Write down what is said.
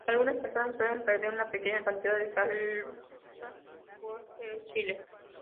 Algunas personas suelen verter una pequeña cantidad de salsa worcestershire.